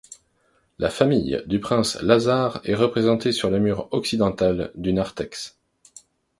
La famille du prince Lazar est représentée sur le mur occidental du narthex.